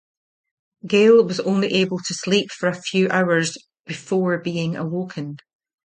Gale was only able to sleep for a few hours before being awoken.